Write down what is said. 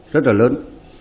rất là lớn